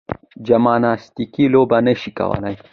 جمناستیکي لوبه نه شي کولای.